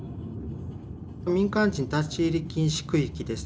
民間人立ち入り禁止区域です。